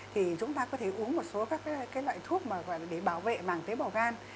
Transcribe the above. thì chúng ta có thể uống một số các loại thuốc mà để bảo vệ màng tế bào gan